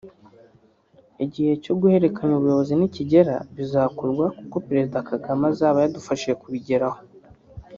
Igihe cyo guhererekanya ubuyobozi nikigera bizakorwa kuko Pezerezida Kagame azaba yadufashije kubigeraho